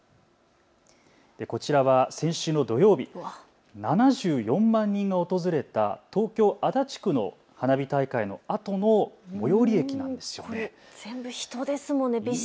こちらは先週の土曜日７４万人が訪れた東京足立区の花火大会のあとの最寄り駅なんです。